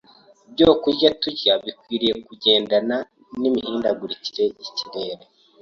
Ibyokurya turya bikwiriye kugendana n’imihindagurikire y’ikirere.